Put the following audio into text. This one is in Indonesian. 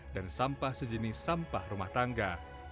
dan sampah sejenis sampah rumah tangga